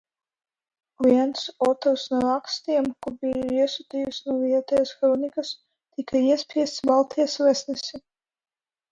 Viens otrs no rakstiem, ko biju iesūtījis no vietējās hronikas, tika iespiests Baltijas Vēstnesī.